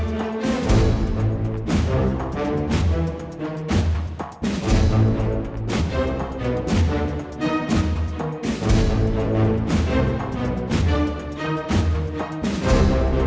gue datang kesini mewakili boy untuk bertarung sama lo